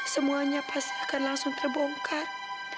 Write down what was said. semuanya pasti akan langsung terbongkar